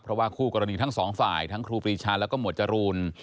เพราะว่าคู่กรณีทั้งสองฝ่ายทั้งครูปรีชาแล้วก็หมวดจรูน